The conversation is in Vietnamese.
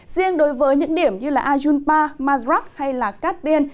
riêng đối với những điểm như ajunpa madrat hay là cát đen